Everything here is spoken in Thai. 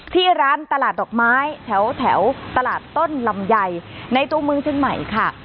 ที่ร้านตลาดดอกไม้แถวแถวตลาดต้นลำใหญ่ในตัวมือชื่นใหม่ค่ะ